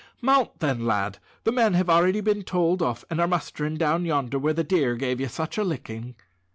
"Mount then, lad; the men have already been told off, and are mustering down yonder where the deer gave you such a licking."